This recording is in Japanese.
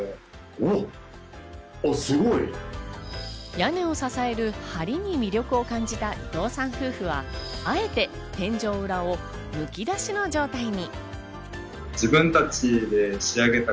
屋根を支える梁に魅力を感じた伊藤さん夫婦は、あえて天井裏をむき出しの状態に。